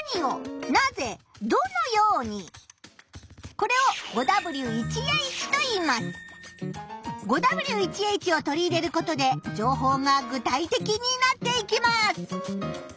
これを５Ｗ１Ｈを取り入れることで情報が具体的になっていきます。